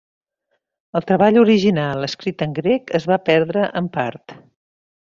El treball original escrit en grec es va perdre en part.